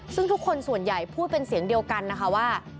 ซึ่งทุกคนส่วนใหญ่พูดเป็นเสียงเดียวกันนะคะว่า